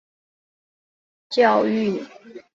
有子戴槚任儒学教谕。